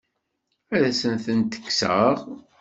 Ad asent-tent-kkseɣ?